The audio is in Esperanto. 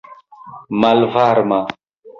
malvarma